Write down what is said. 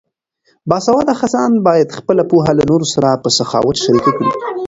باسواده کسان باید خپله پوهه له نورو سره په سخاوت شریکه کړي.